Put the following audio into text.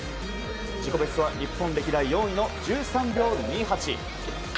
自己ベストは日本歴代の１３秒２８。